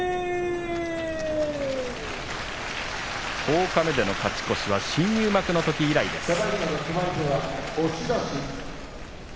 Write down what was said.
十日目での勝ち越しは新入幕のとき以来です。